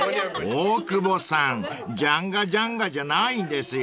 ［大久保さんジャンガジャンガじゃないんですよ］